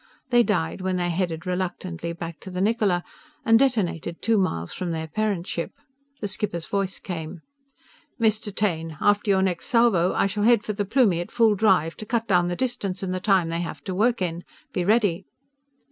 They died when they headed reluctantly back to the Niccola and detonated two miles from their parent ship. The skipper's voice came: "_Mr. Taine! After your next salvo I shall head for the Plumie at full drive, to cut down the distance and the time they have to work in. Be ready!